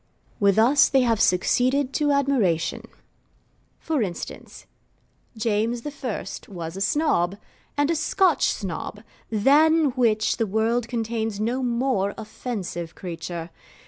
With us they have succeeded to admiration. For instance, James I. was a Snob, and a Scotch Snob, than which the world contains no more offensive creature.